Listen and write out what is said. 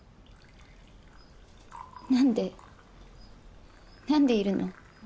何で何でいるの？